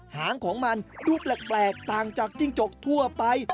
หางของมันดูแปลกต่างจากจิ้งจกทั่วไป